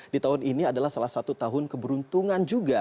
di tahun ini adalah salah satu tahun keberuntungan juga